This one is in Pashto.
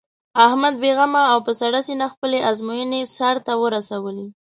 احمد بې غمه او په سړه سینه خپلې ازموینې سر ته ورسولې.